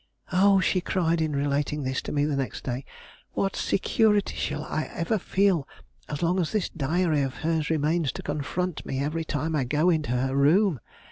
"Oh," she cried in relating this to me the next day, "what security shall I ever feel as long as this diary of hers remains to confront me every time I go into her room?